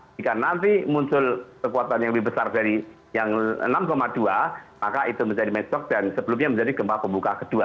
jika nanti muncul kekuatan yang lebih besar dari yang enam dua maka itu menjadi mensok dan sebelumnya menjadi gempa pembuka kedua